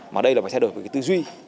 mà đây là phải thay đổi về cái tư duy